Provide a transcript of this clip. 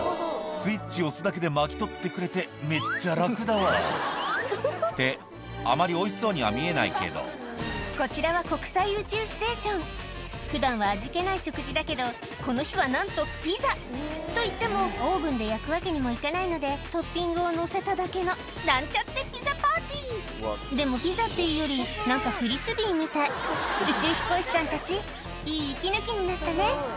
「スイッチ押すだけで巻き取ってくれてめっちゃ楽だわ」ってあまりおいしそうには見えないけどこちらは普段は味気ない食事だけどこの日はなんとピザといってもオーブンで焼くわけにもいかないのでトッピングをのせただけのなんちゃってピザパーティーでもピザっていうより何かフリスビーみたい宇宙飛行士さんたちいい息抜きになったね